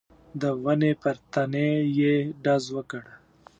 د ونې پر تنې يې ډز وکړ.